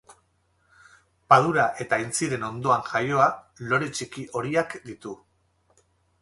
Padura eta aintziren ondoan jaioa, lore txiki horiak ditu.